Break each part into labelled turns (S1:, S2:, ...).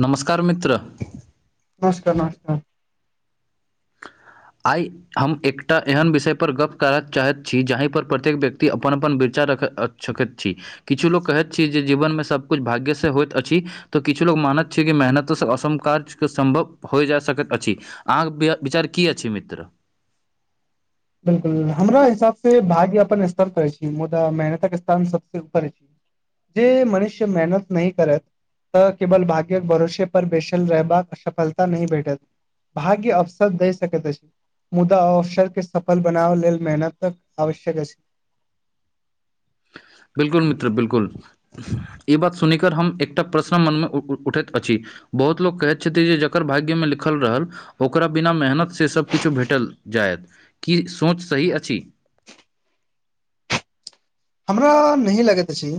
S1: नमस्कार मित्र।
S2: नमस्कार नमस्कार।
S1: आइ। हम एकटा एहन विषयपर गप्प करय चाहैत छ जाहिपर प्रत्येक व्यक्ति अपन अपन विचार रख सकैत छी किछु लोको कहैत छी जे जीवनमे सभकुछु भाग्यसँ होयइत अछि तऽ किछु लोग मानैत छै कि मेहनतसँ असम काज सम्भव होइ जा सकैत छै अहाँकेँ विचार की अछि मित्र
S2: बिल्कूल हमरा हिसाब से भाग्य अपन स्तर करै छी मुदा मेहनतक स्थान सभ सँ करै छी जे मनुष्य मेहनत नहि करैत। तऽ केवल भाग्य्यक भरोसे पर बेसल रहबाक सफलता नहि भेठे भाग्य अवसर दै सक मुदा अवसर के सफल बनाव लेल मेहनत तक आवश्यक अछि।
S1: बिल्कुल मित्र बिल्कुल। ए बात सुनिक हम एकटा प्रश्न मनमे उठैत अछि बहुत लोक कहैत छथिन जे जकर भाग्य मे लिखल रहल। ओकरा बिना मेहनत सभ किछु भेटल जायत की सोच सही अछि
S2: हमरा नहि लगैत अछि।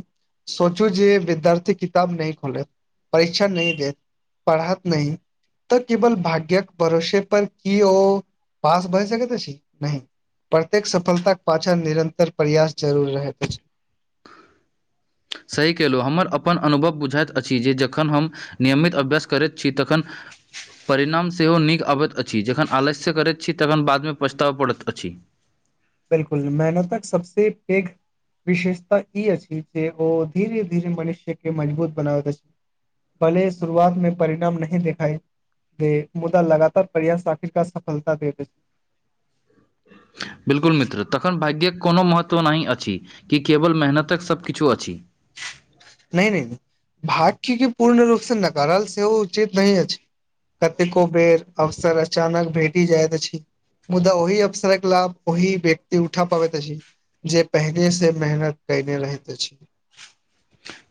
S2: सोचो जे विद्यार्थी किताब नहि खोलैत परीक्षा नहि दे पढ़त नहि। तऽ केवल भाग्य्य कऽ भरोसे पर की ओ पास भए सकत अछि नहि प्रत्येक सफलताक पछाँ निरन्तर प्रयास जरूर रहत
S1: सही केलहुँ हमर अपन अनुभव बुझाइ अछि जे जखन हम नियमित अभ्यास करैत छी तखन। परिणाम सेहो नीक आबैत अछि जखन आलस्य करैत छै तखन बाद मे पछताब पड़ैत अछि
S2: बिल्कूल मैहनतक सभ सँ पेघ विशेषता ई अछि जे ओ धीरे धीरे मनुष्य क मजबूत बनाबैत अछि भले शुरुआत मे परिणाम नहि देखा जे मुदा लगतार प्रयास आखिरकार सफलता दे
S1: बिल्कुल मित्र तखन भाग्य्यक कोनो महत्व नहि अछि। कि केवल मेहनतक सभ किछु अछि
S2: नहि नहि भाग्य के पूर्ण रूप से नकार सेहो उचित नहि अछि कतेको बेर अवसर अचानक भेटि जाइत अछि। मुदा ओहि अवसरक लाभ ओहि व्यक्ती उठा पाबेत अछि। जे पहिने से मेहनत केने रहते छै।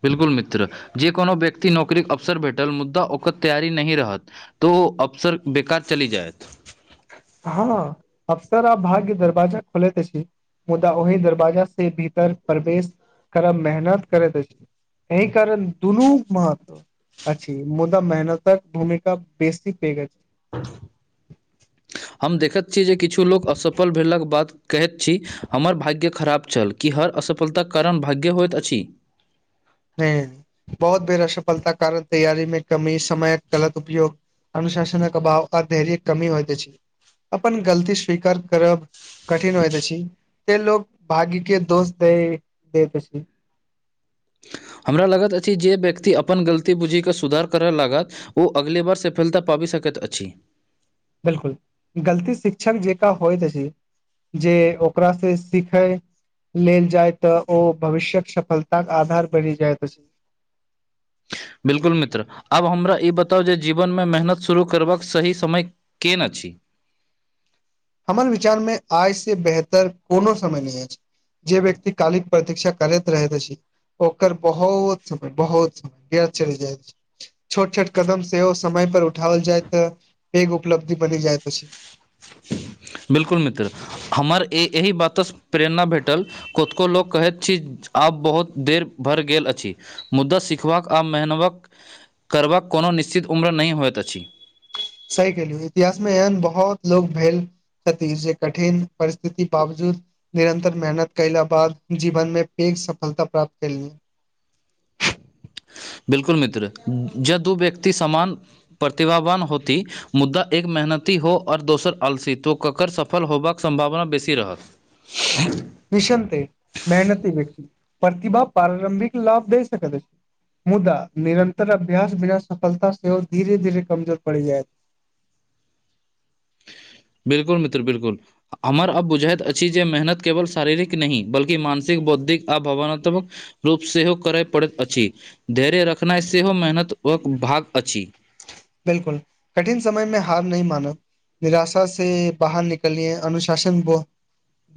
S1: बिल्कुल मित्र जे कोनो व्यक्ति नौकरी के अवसर भेटल मुद्दा ओकर तैयारी नहि रहत। त अवसर बेकार चली जायत
S2: ह अवसर आ भाग्य दरवाजा खोलेत अछी मुदा ओहि दरवाजा से भीतर प्रवेश करब मेहनत कर एहि कारण दुनू महत्व। अछि मुदा मेहनतक भूमिका बेसी पेघ छै।
S1: [unintelligible] हम देखैत छी जे किछु लोक असफल भेलाक बात कहैत छी हमर भाग्य खराब छल कि हर असफलताक कारण भाग्य होइत छै
S2: बहुत बेर असफलता कारण तैयारी मे कमी समय गलत उपयोग अनुशासनक अभाव आ धैर्य कमी होइत अछि अपन गलती स्वीकार करब। कठिन होइत छै त लोग भाग्य के दोष दैत छै
S1: हमरा लागैत अछि जे व्यक्ति अपन गलती बूझीके सुधार करय लागत। आ अगले बार सफलता पाबि सकैत अछि
S2: बिल्कूल गलती शिक्षक जेका होइत छै जे ओकरा से सिखै। लेल जाय तऽ ओ भविष्य्यक सफलताक के आधार बनि जाय
S1: बिल्कूल मित्र आब हमरा ई बताउ जे जीवन मे मेहनत शुरू करबाक सही समय केना अछि।
S2: हमर विचार मे आइ से बेहतर कोनो समय नहि अछि ज व्यक्तति कालिक प्रतिक्षा करैत रहैत अछि ओकर बहुत बहुत छोट छोट कदम सेहो समय पर उठावल जाय तऽ पेघ उपलब्धि बनि जाइत अछि
S1: बिल्कुल मित्र हमर ए एहि बात स प्रेरणा भेटल कतको लोक कहैत छी आब बहुत देर भरि गेल अछि मुद्दा सिखबाक मेहनवक करबा कऽ कोनो निश्चित उम्र नहि होइत अछि।
S2: सही केलिय इतिहास मे एहन बहुत लोग भेल छथिती जे कठिन परिस्थिति बावजूद निरन्तर मेहनत कला बाद जीवन मे पघ सफलता प्राप्त करली।
S1: बिल्कुल मित्र जदू व्यक्ती समान प्रतिभावान होती मुद्दा एक मेहनती हो औ दोसर आलसी तो ककर सफल होबाक संभावना बेसी रहत [unintelligible]
S2: निशन्ते मेहनती व्यक्त प्रतिभा प्रारंभिक लाभ दै सकैत छैय। मुदा निरन्तर अभ्यास बिना सफलता सेहो धीरे धीरे कमजोर पड़ि जाय तऽ
S1: बिल्कूल मित्र बिल्कूल हमर अब बुझायइत अछि जे मेहनत केवल शारीरिक नहि बल्मानसिक बौद्धिक आ भावनात्मक रूप सेहो करय पड़ैत अछि। धैर्य रखना। इ सेहो मेहनतक भाग अछि।
S2: बिल्कूल कठिन समयमे हार नहि मानु। निराशा से बाहर निकलियए अनुशासन ब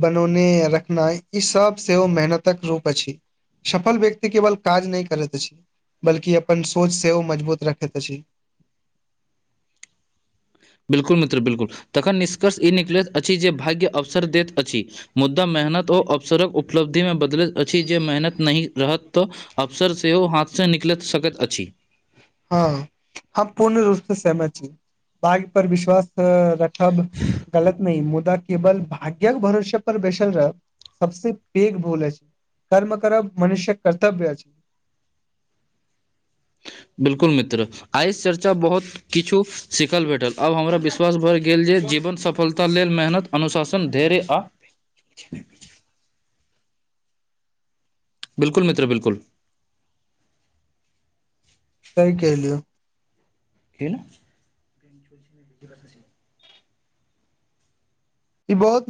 S2: बनौने य रखना ई सभ सेहो मेहनतक रूप अछि। सफल व्यक्ति केवल काज नहि करैत अछि बल्कि अपन सोच सेहो मजबूत रखैत अछि।
S1: बिल्कु मित्र बिल्कूल तखन निष्कर्ष ई निकलैत अछि जे भाग्य अवसर दैत अछि। मुद्दा मेहनत ओ अवसरक उपलब्धि मे बदलैत अछि जे मेहनत नहि रहत अफसर सेहो हाथ सँ निकलि सकैत अछि।
S2: ह हम पूर्ण रूप से सहमति छी भाग पर विश्वास रखब गलत नहि मुदा केवल भाग्य्यक भरषे पर बैसल रह सभ सँ पेघ भोल छैय। कर्म करब मनुष्यक कर्तव्य अछि।
S1: बिल्कूल मित्र आइस चर्चा बहुत किछु सिखल भेटल आब हमरा विश्वास भऽ गेल जे जीवन सफलता लेल मेहन अनुशासन धैर्य बिल्कूल मित्र बिल्कूल
S2: कि कलिय
S1: हना। [unintelligible]
S2: बहुत